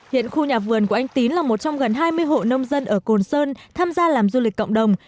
hiện khu nhà vườn của anh tín là một trong gần hai mươi hộ nông dân ở cồn sơn tham gia làm du lịch cộng đồng